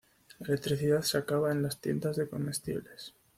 La electricidad se acaba en las tiendas de comestibles.